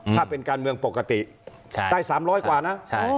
ถ้าเป็นการเมืองปกติได้๓๐๐กว่านะ